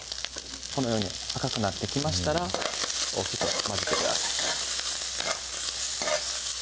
このように赤くなってきましたら大きく混ぜてください